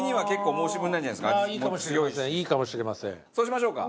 そうしましょうか。